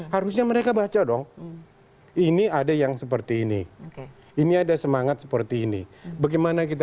hampir semua fraksi